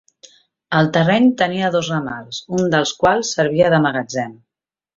El terreny tenia dos ramals, un dels quals servia de magatzem.